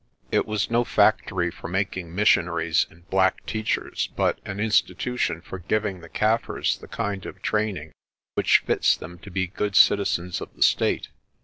It was no factory for making missionaries and black teachers, but an institution for giving the Kaffirs the kind of training which fits them to be good citizens of the state.